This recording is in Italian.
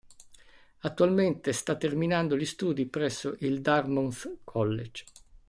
Attualmente, sta terminando gli studi presso il Dartmouth College.